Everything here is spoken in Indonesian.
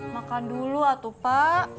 makan dulu atuh pak